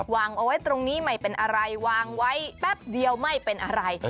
วางเอาไว้ตรงนี้ไม่เป็นอะไรวางไว้แป๊บเดียวไม่เป็นอะไร